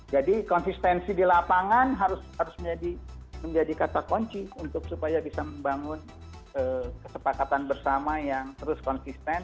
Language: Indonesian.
jadi konsistensi di lapangan harus menjadi kata kunci untuk supaya bisa membangun kesepakatan bersama yang terus konsisten